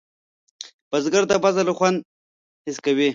بزګر د فصل خوند حس کوي